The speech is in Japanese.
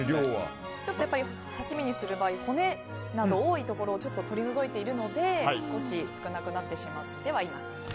刺身にする場合骨など多いところをちょっと取り除いているので少なくなってしまってはいます。